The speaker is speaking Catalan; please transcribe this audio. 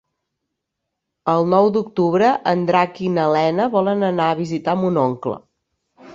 El nou d'octubre en Drac i na Lena volen anar a visitar mon oncle.